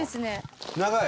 長い。